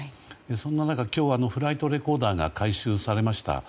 そんな中、今日はフライトレコーダーが回収されました。